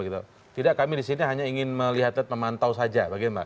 tidak kami di sini hanya ingin melihat dan memantau saja